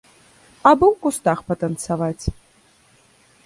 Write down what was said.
Абы ў кустах патанцаваць.